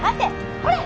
ほれ！